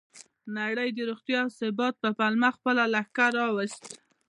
نړۍ د روغتیا او ثبات په پلمه خپل لښکر راوست.